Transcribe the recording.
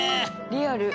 リアル。